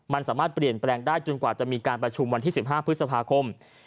มันสามารถเปลี่ยนแปลงได้จนกว่าจะมีการประชุมวันที่๑๕พฤษภาคม